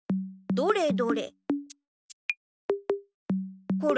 どれどれ。